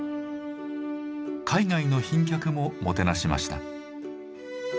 海外の賓客ももてなしました。